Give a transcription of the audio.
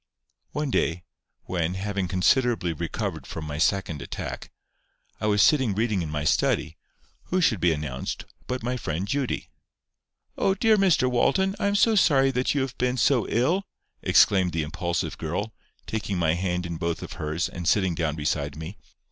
One day when, having considerably recovered from my second attack, I was sitting reading in my study, who should be announced but my friend Judy! "Oh, dear Mr Walton, I am so sorry you have been so ill!" exclaimed the impulsive girl, taking my hand in both of hers, and sitting down beside me.